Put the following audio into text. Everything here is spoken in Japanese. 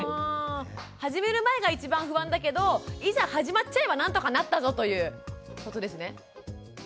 始める前が一番不安だけどいざ始まっちゃえば何とかなったぞということですね。